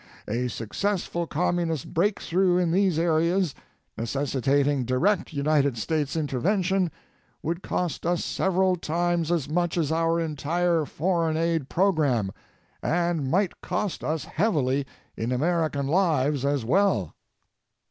A successful Communist breakthrough in these areas, necessitating direct United States intervention, would cost us several times as much as our entire foreign aid program, and might cost us heavily in American lives as well.